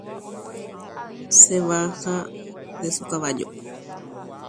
Oguejy hymba kavaju árigui.